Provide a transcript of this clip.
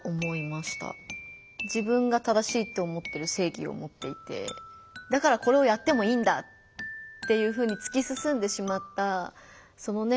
自分が正しいって思ってる正義を持っていてだからこれをやってもいいんだっていうふうにつきすすんでしまったそのね